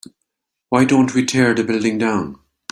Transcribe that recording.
why don't we tear the building down?